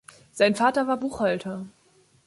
Sein Vater war Buchhalter.